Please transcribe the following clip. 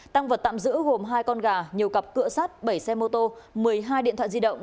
tăng vật tạm giữ gồm hai con gà nhiều cặp cửa sát bảy xe mô tô một mươi hai điện thoại di động